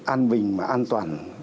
an bình mà an toàn